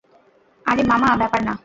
আরে মামা, ব্যাপার না।